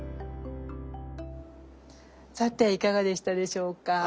さていかがでしたでしょうか？